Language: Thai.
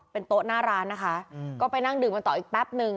เป็นโต๊ะหน้าร้านนะคะก็ไปนั่งดื่มกันต่ออีกแป๊บนึง